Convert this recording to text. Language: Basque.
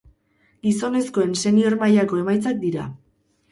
Gizonezkoen senior mailako emaitzak dira.